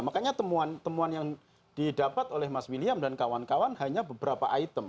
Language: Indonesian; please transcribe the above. makanya temuan temuan yang didapat oleh mas william dan kawan kawan hanya beberapa item